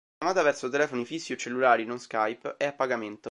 La chiamata verso telefoni fissi o cellulari non Skype è a pagamento.